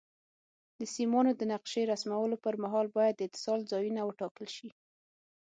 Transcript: د سیمانو د نقشې رسمولو پر مهال باید د اتصال ځایونه وټاکل شي.